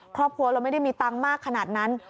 ครอบครัวเราไม่ได้มีตังค์มากขนาดนั้น